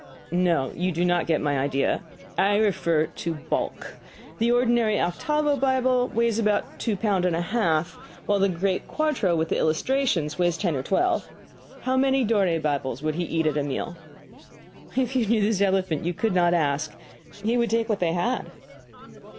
"No, you do not get my idea. I refer to bulk. The ordinary octavo Bible weighs about two pounds and a half, while the great quarto with the illustrations weighs ten or twelve. How many Dore Bibles would he eat at a meal?" "If you knew this elephant, you could not ask. He would take what they had."